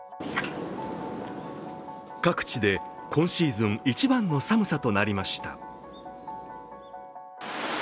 各地で今シーズン一番の寒さとなりました。